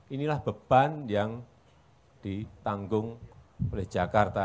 inilah beban yang ditanggung oleh jakarta